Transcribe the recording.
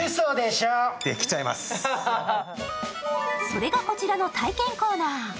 それが、こちらの体験コーナー。